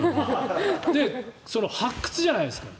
発掘じゃないですか。